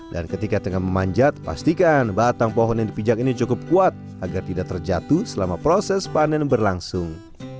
dan ketika tengah memanjat pastikan batang pohon yang dipijak ini cukup kuat agar tidak terjatuh selama proses panen berlangsung